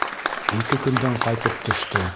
Ике көндән ҡайтып төштө.